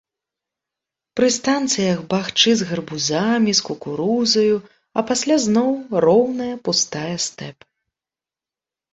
Пры станцыях бахчы з гарбузамі, з кукурузаю, а пасля зноў роўная, пустая стэп.